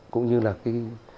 cũng như là cái